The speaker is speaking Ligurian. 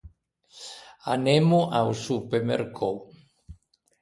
Anemmo a-o supermercou.